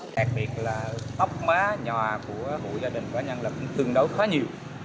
đặc biệt là tóc má nhòa của hội gia đình và nhân lực cũng tương đấu khá nhiều